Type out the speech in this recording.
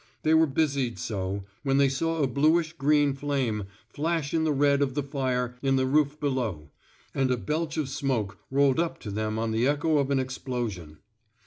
They were busied so, when they saw a bluish green flame flash in the red of the fire in the roof below, and a belch of smoke rolled up to them on the echo of an explosion.